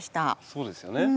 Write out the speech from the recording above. そうですよね。